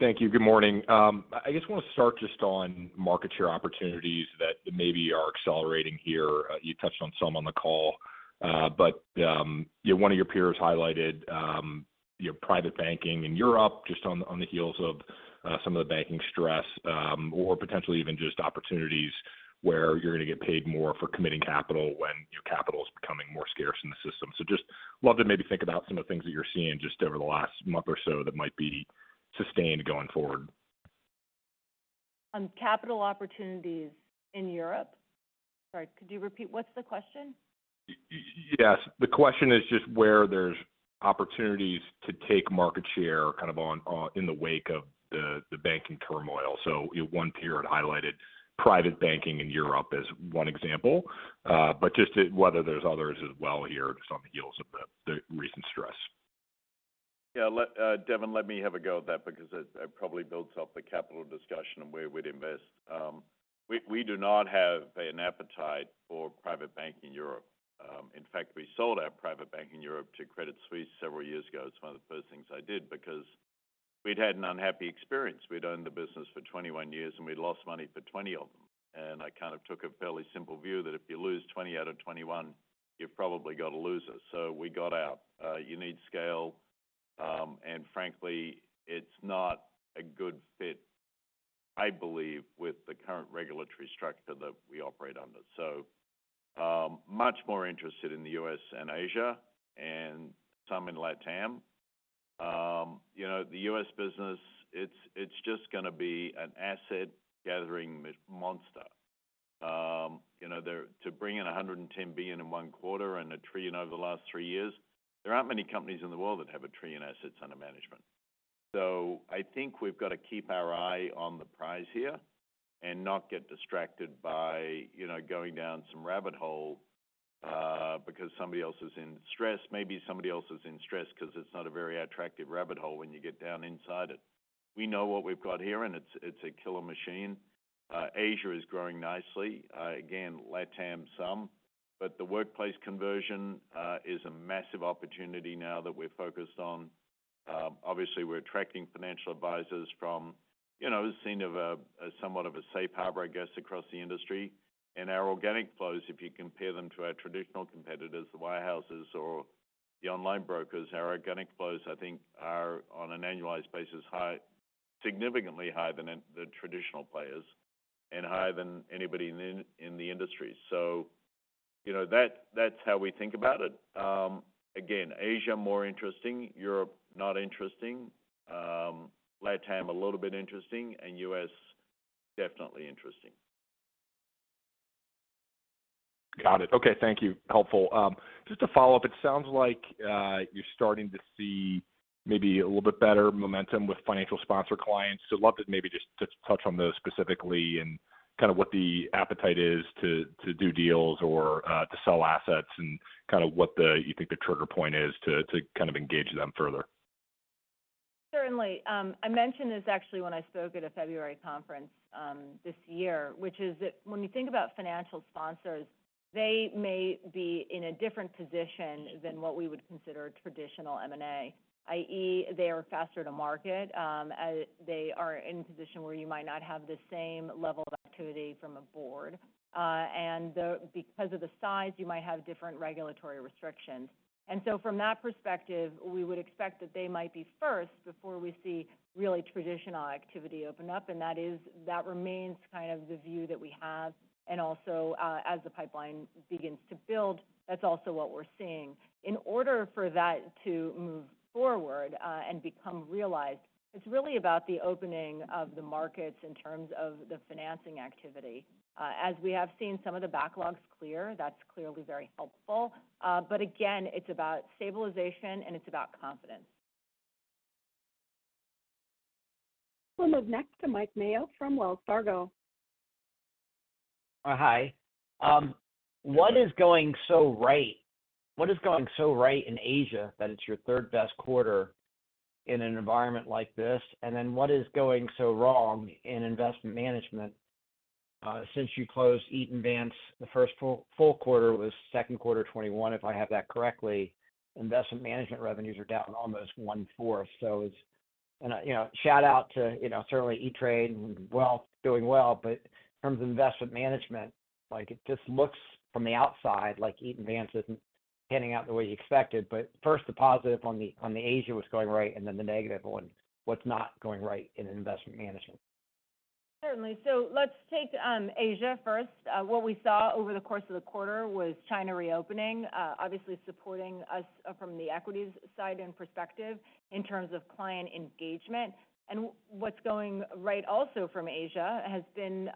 Thank you. Good morning. I just wanna start just on market share opportunities that maybe are accelerating here. You touched on some on the call. One of your peers highlighted your private banking in Europe just on the heels of some of the banking stress, or potentially even just opportunities where you're gonna get paid more for committing capital when your capital is becoming more scarce in the system. Just love to maybe think about some of the things that you're seeing just over the last month or so that might be sustained going forward. On capital opportunities in Europe? Sorry, could you repeat? What's the question? Yes. The question is just where there's opportunities to take market share kind of on in the wake of the banking turmoil. One peer had highlighted private banking in Europe as one example, but just whether there's others as well here just on the heels of the recent stress. Let Devin, let me have a go at that because it probably builds off the capital discussion of where we'd invest. We do not have an appetite for private bank in Europe. In fact, we sold our private bank in Europe to Credit Suisse several years ago. It's one of the first things I did because we'd had an unhappy experience. We'd owned the business for 21 years, and we'd lost money for 20 of them. I kind of took a fairly simple view that if you lose 20 out of 21, you've probably got to lose it. We got out. You need scale, and frankly, it's not a good fit, I believe, with the current regulatory structure that we operate under. Much more interested in the U.S. and Asia and some in LatAm. You know, the U.S. business, it's just gonna be an asset-gathering monster. You know, to bring in $110 billion in 1 quarter and $1 trillion over the last 3 years, there aren't many companies in the world that have $1 trillion in assets under management. I think we've got to keep our eye on the prize here and not get distracted by, you know, going down some rabbit hole because somebody else is in stress. Maybe somebody else is in stress because it's not a very attractive rabbit hole when you get down inside it. We know what we've got here, and it's a killer machine. Asia is growing nicely. Again, LatAm, some. The workplace conversion is a massive opportunity now that we're focused on. Obviously, we're attracting financial advisors from, you know, seen of a somewhat of a safe harbor, I guess, across the industry. Our organic flows, if you compare them to our traditional competitors, the wirehouses or the online brokers, our organic flows, I think, are on an annualized basis, significantly higher than the traditional players and higher than anybody in the industry. You know, that's how we think about it. Again, Asia, more interesting. Europe, not interesting. LatAm, a little bit interesting. U.S., definitely interesting. Got it. Okay. Thank you. Helpful. Just to follow up, it sounds like you're starting to see maybe a little bit better momentum with financial sponsor clients. Love to maybe just touch on those specifically and kind of what the appetite is to do deals or to sell assets and kind of what you think the trigger point is to engage them further? Certainly. I mentioned this actually when I spoke at a February conference this year, which is that when you think about financial sponsors, they may be in a different position than what we would consider traditional M&A, i.e., they are faster to market, they are in a position where you might not have the same level of activity from a board, and because of the size, you might have different regulatory restrictions. From that perspective, we would expect that they might be first before we see really traditional activity open up, that remains kind of the view that we have. As the pipeline begins to build, that's also what we're seeing. In order for that to move forward and become realized, it's really about the opening of the markets in terms of the financing activity. As we have seen some of the backlogs clear, that's clearly very helpful. Again, it's about stabilization, and it's about confidence. We'll move next to Mike Mayo from Wells Fargo. What is going so right in Asia that it's your third-best quarter in an environment like this? What is going so wrong in Investment Management? Since you closed Eaton Vance, the first full quarter was 2Q 2021, if I have that correctly. Investment Management revenues are down almost 1/4. You know, shout out to, you know, certainly E*TRADE and Wealth doing well, but in terms of Investment Management, like it just looks from the outside like Eaton Vance isn't panning out the way you expected. The positive on the Asia was going right, the negative on what's not going right in Investment Management. Certainly. Let's take Asia first. What we saw over the course of the quarter was China reopening, obviously supporting us from the equities side and perspective in terms of client engagement. What's going right also from Asia has been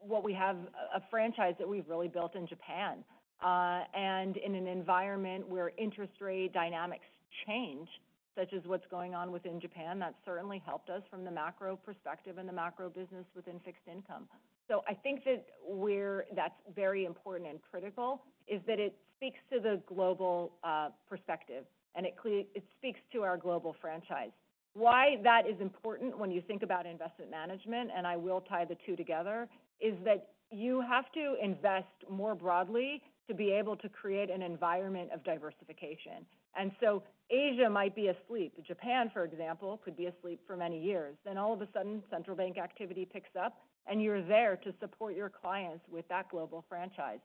what we have a franchise that we've really built in Japan. In an environment where interest rate dynamics change, such as what's going on within Japan, that certainly helped us from the macro perspective and the macro business within fixed income. I think that where that's very important and critical is that it speaks to the global perspective, and it speaks to our global franchise. Why that is important when you think about investment management, and I will tie the two together, is that you have to invest more broadly to be able to create an environment of diversification. Asia might be asleep. Japan, for example, could be asleep for many years. All of a sudden, central bank activity picks up, and you're there to support your clients with that global franchise.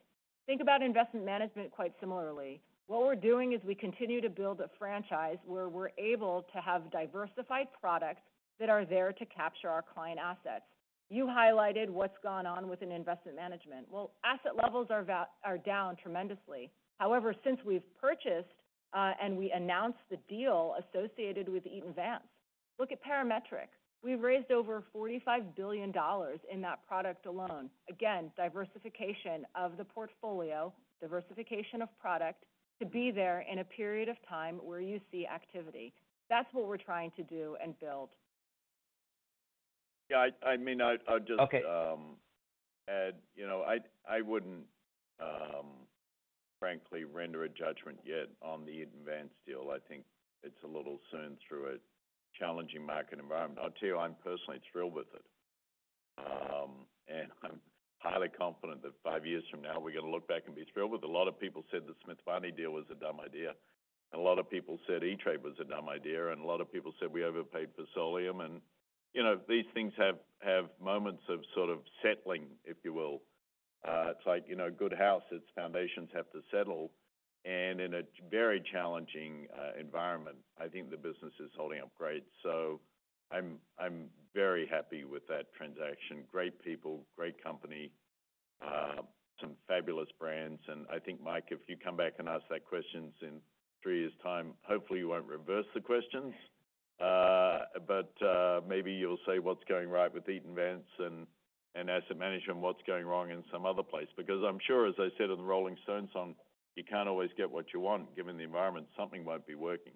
Think about investment management quite similarly. What we're doing is we continue to build a franchise where we're able to have diversified products that are there to capture our client assets. You highlighted what's gone on within investment management. Well, asset levels are down tremendously. However, since we've purchased, and we announced the deal associated with Eaton Vance. Look at Parametric. We've raised over $45 billion in that product alone. Again, diversification of the portfolio, diversification of product to be there in a period of time where you see activity. That's what we're trying to do and build. Yeah, I mean, I'll... Okay. You know I wouldn't frankly render a judgment yet on the Eaton Vance deal. I think it's a little soon through a challenging market environment. I'll tell you, I'm personally thrilled with it. I'm highly confident that five years from now we're going to look back and be thrilled with it. A lot of people said the Smith Barney deal was a dumb idea, a lot of people said E*TRADE was a dumb idea, a lot of people said we overpaid for Solium. You know, these things have moments of sort of settling, if you will. It's like, you know, a good house, its foundations have to settle. In a very challenging environment, I think the business is holding up great. I'm very happy with that transaction. Great people, great company, some fabulous brands. I think, Mike, if you come back and ask that questions in three years' time, hopefully you won't reverse the questions. Maybe you'll say what's going right with Eaton Vance and asset management, what's going wrong in some other place. I'm sure, as I said in the Rolling Stones song, you can't always get what you want. Given the environment, something won't be working.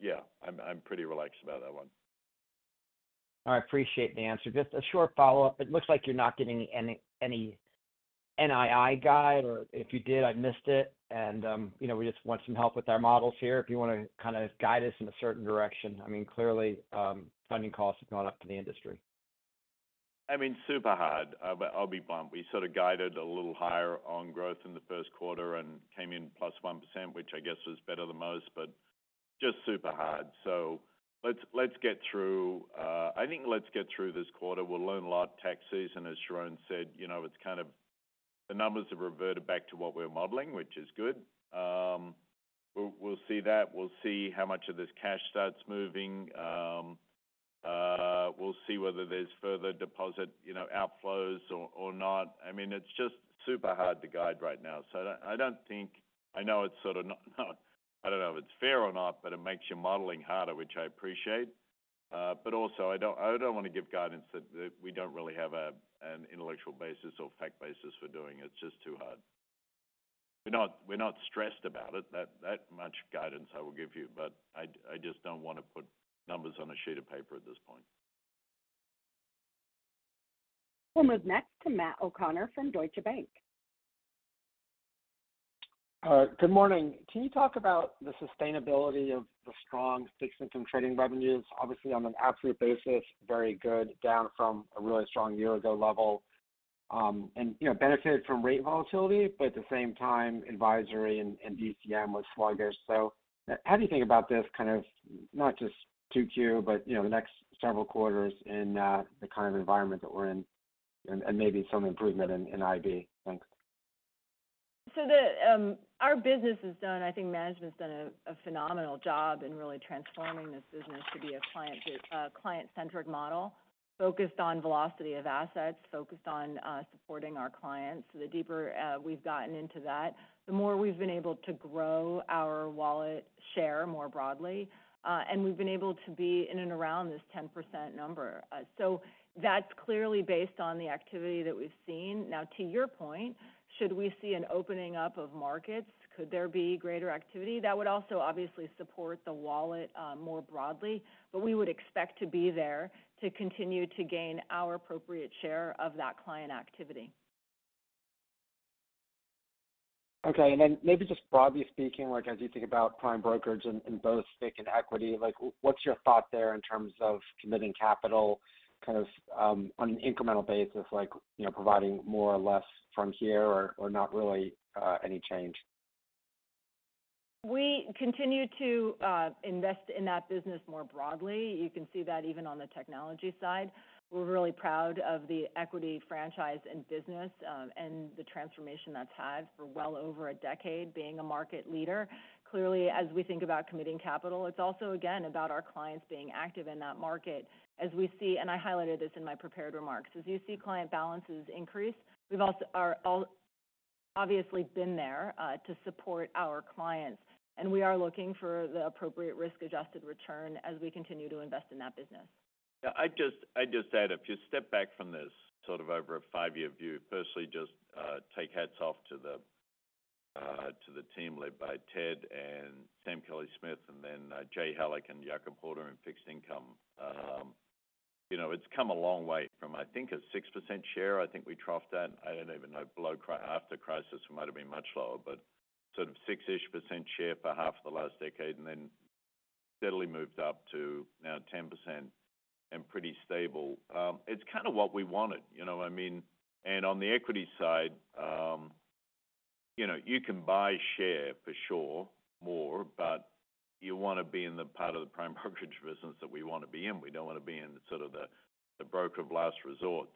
Yeah, I'm pretty relaxed about that one. I appreciate the answer. Just a short follow-up. It looks like you're not giving any NII guide, or if you did, I missed it. You know, we just want some help with our models here. If you want to kind of guide us in a certain direction. I mean, clearly, funding costs have gone up in the industry. I mean, super hard. I'll be blunt. We sort of guided a little higher on growth in the first quarter and came in +1%, which I guess was better than most, but just super hard. Let's get through. I think let's get through this quarter. We'll learn a lot. Tax season, as Sharon said, you know, it's kind of the numbers have reverted back to what we're modeling, which is good. We'll see that. We'll see how much of this cash starts moving. We'll see whether there's further deposit, you know, outflows or not. I mean, it's just super hard to guide right now. I don't think. I know it's sort of not. I don't know if it's fair or not, but it makes your modeling harder, which I appreciate. I don't want to give guidance that we don't really have an intellectual basis or fact basis for doing it. It's just too hard. We're not stressed about it. That much guidance I will give you. I just don't want to put numbers on a sheet of paper at this point. We'll move next to Matt O'Connor from Deutsche Bank. Good morning. Can you talk about the sustainability of the strong fixed income trading revenues? Obviously, on an absolute basis, very good, down from a really strong year-ago level. You know, benefited from rate volatility, but at the same time, advisory and DCM was sluggish. How do you think about this kind of, not just 2Q, but you know, the next several quarters in the kind of environment that we're in and maybe some improvement in IB? Thanks. The our business has done, I think management's done a phenomenal job in really transforming this business to be a client-centric model focused on velocity of assets, focused on supporting our clients. The deeper we've gotten into that, the more we've been able to grow our wallet share more broadly. We've been able to be in and around this 10% number. That's clearly based on the activity that we've seen. Now, to your point, should we see an opening up of markets, could there be greater activity? That would also obviously support the wallet more broadly. We would expect to be there to continue to gain our appropriate share of that client activity. Okay. Then maybe just broadly speaking, like as you think about prime brokerage in both stick and equity, like what's your thought there in terms of committing capital kind of, on an incremental basis, like, you know, providing more or less from here or not really, any change? We continue to invest in that business more broadly. You can see that even on the technology side. We're really proud of the equity franchise and business, and the transformation that's had for well over a decade being a market leader. Clearly, as we think about committing capital, it's also, again, about our clients being active in that market. As we see, and I highlighted this in my prepared remarks. As you see client balances increase, we've also obviously been there to support our clients, and we are looking for the appropriate risk-adjusted return as we continue to invest in that business. Yeah, I'd just add, if you step back from this sort of over a five-year view, firstly, just take hats off to the team led by Ted and Sam Kellie-Smith, and then Jay Hallac and Jakob Horder in fixed income. You know, it's come a long way from, I think, a 6% share. I think we troughed that. I don't even know, below after crisis, it might've been much lower, but sort of 6%-ish share for half of the last decade, and then steadily moved up to now 10% and pretty stable. It's kind of what we wanted, you know what I mean? On the equity side, you know, you can buy share for sure more, but you wanna be in the part of the prime brokerage business that we wanna be in. We don't wanna be in sort of the broker of last resort.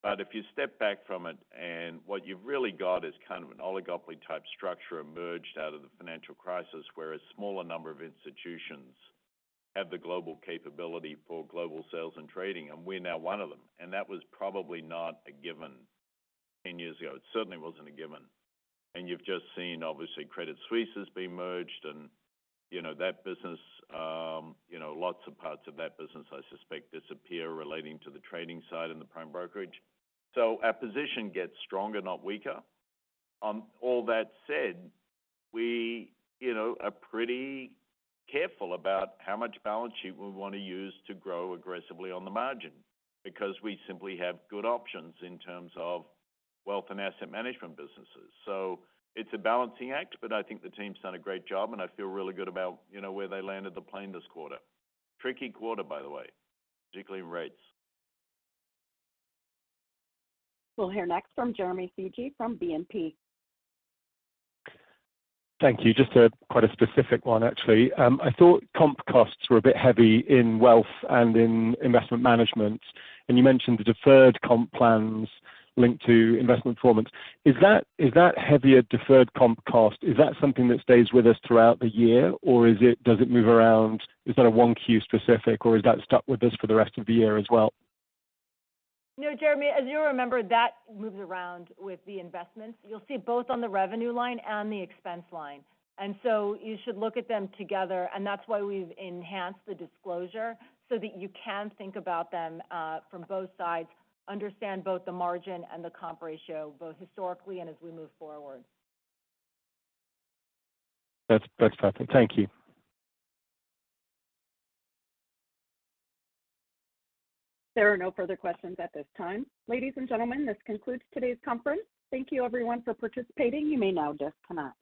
But if you step back from it and what you've really got is kind of an oligopoly-type structure emerged out of the financial crisis, where a smaller number of institutions have the global capability for global sales and trading, and we're now one of them. That was probably not a given 10 years ago. It certainly wasn't a given. You've just seen, obviously, Credit Suisse has been merged and, you know, lots of parts of that business, I suspect, disappear relating to the trading side and the prime brokerage. Our position gets stronger, not weaker. All that said, we, you know, are pretty careful about how much balance sheet we want to use to grow aggressively on the margin because we simply have good options in terms of wealth and asset management businesses. It's a balancing act, but I think the team's done a great job, and I feel really good about, you know, where they landed the plane this quarter. Tricky quarter, by the way, particularly in rates. We'll hear next from Jeremy Sigee from BNP. Thank you. Just the quite a specific one, actually. I thought comp costs were a bit heavy in wealth and in investment management, and you mentioned the deferred comp plans linked to investment performance. Is that heavier deferred comp cost, is that something that stays with us throughout the year, or does it move around? Is that a 1Q specific, or is that stuck with us for the rest of the year as well? No, Jeremy, as you remember, that moves around with the investments. You'll see it both on the revenue line and the expense line. You should look at them together, and that's why we've enhanced the disclosure so that you can think about them from both sides, understand both the margin and the comp ratio, both historically and as we move forward. That's helpful. Thank you. There are no further questions at this time. Ladies and gentlemen, this concludes today's conference. Thank you everyone for participating. You may now disconnect.